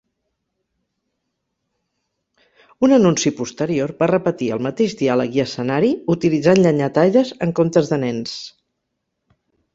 Un anunci posterior va repetir el mateix diàleg i escenari, utilitzant llenyataires en comptes de nens.